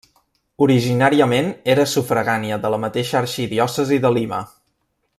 Originàriament era sufragània de la mateixa arxidiòcesi de Lima.